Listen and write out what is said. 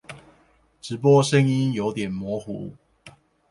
直播聲音有點模糊